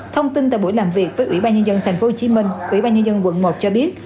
thông tin tại buổi làm việc với ubnd tp hcm ubnd quận một cho biết